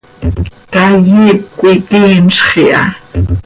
Caay iip coi quinzx iha.